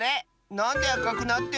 なんであかくなってんの？